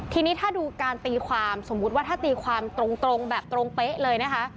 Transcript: ทีนี้ถ้าดูการตีความสมมุติว่าถ้าตีความตรงแบบตรงเป๊ะเลยนะคะ